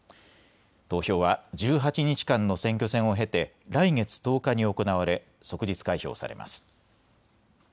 投票は１８日間の選挙戦を経て来月１０日に行われ即日開票されます。